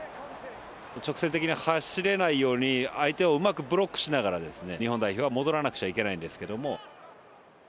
直線的に走れないように相手をうまくブロックしながらですね日本代表は戻らなくちゃいけないんですけども。